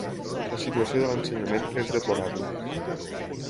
La situació de l'ensenyament és deplorable.